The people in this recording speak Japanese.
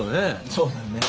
そうだよね。